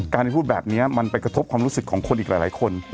การพูดแบบนี้มันไปกระทบความรู้สึกของคนอีกหลายคน